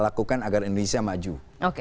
lakukan agar indonesia maju